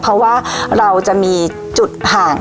เพราะว่าเราจะมีจุดห่าง